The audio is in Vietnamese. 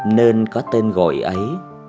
nên có tên gọi ấy